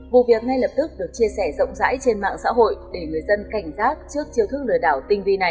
vụ việc ngay lập tức được chia sẻ rộng rãi trên mạng xã hội để người dân cảnh giác trước chiêu thức lừa đảo tinh vi này